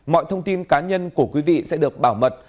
mọi thông tin cá nhân của quý vị sẽ được bảo mật